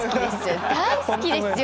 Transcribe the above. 大好きですよ。